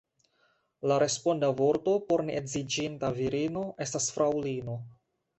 La responda vorto por ne edziĝinta virino estas fraŭlino.